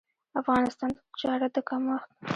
افغانستان د تجارت د کمښت